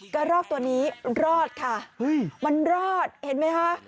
กระรอกตัวนี้รอดค่ะมันรอดเห็นไหมคะ